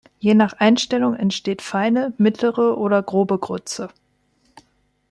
Je nach Einstellung entsteht feine, mittlere oder grobe Grütze.